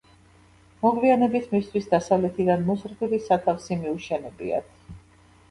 მოგვიანებით მისთვის დასავლეთიდან მოზრდილი სათავსი მიუშენებიათ.